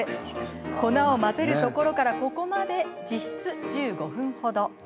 粉を混ぜるところからここまで実質１５分ほど。